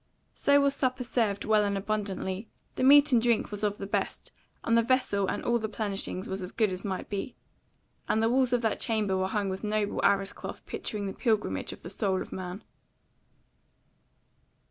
So was supper served well and abundantly: the meat and drink was of the best, and the vessel and all the plenishing was as good as might be; and the walls of that chamber were hung with noble arras cloth picturing the Pilgrimage of the Soul of Man.